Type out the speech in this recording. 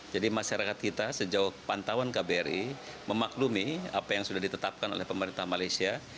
jadi masyarakat kita sejauh pantauan kbri memaklumi apa yang sudah ditetapkan oleh pemerintah malaysia